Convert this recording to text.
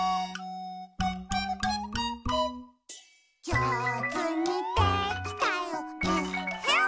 「じょうずにできたよえっへん」